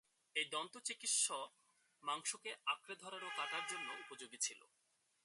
এই দন্ত্যচিকিৎসা মাংসকে আঁকড়ে ধরার ও কাটার জন্য উপযোগী ছিল।